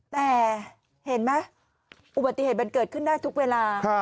แต่เห็นไหมอุบัติเหตุมันเกิดขึ้นได้ทุกเวลา